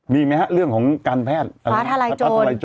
มีไหมฮะเรื่องของการแพทย์ฟ้าทารายโจร